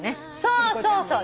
そうそうそう。